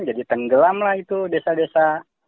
jadi tenggelamlah itu desa desa